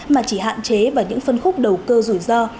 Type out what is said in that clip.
mà chỉ hạn chế vào những phân khúc đầu cơ rủi ro